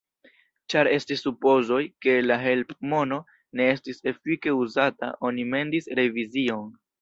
Ĉar estis supozoj, ke la helpmono ne estis efike uzata, oni mendis revizion.